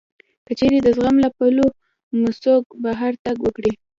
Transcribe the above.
که چېرې د زغم له پولو مو څوک بهر تګ وکړي